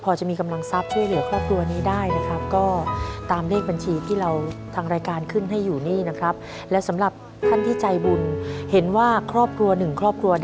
พระเครื่อง